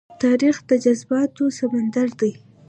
تاریخ د جذباتو سمندر دی.